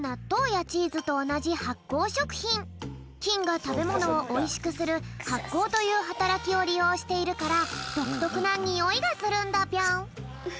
きんがたべものをおいしくするはっこうというはたらきをりようしているからどくとくなニオイがするんだぴょん。